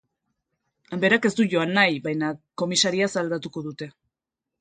Berak ez du joan nahi, baina komisariaz aldatuko dute.